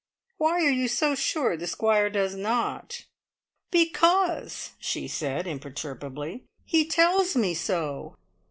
Why are you so sure the Squire does not?" "Because," she said imperturbably, "he tells me so!"